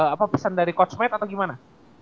apa pesan dari coach matt atau gimana